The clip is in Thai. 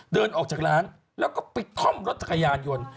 เดินออกจากร้านแล้วก็ปิดคล่อมรถจักรยานยนต์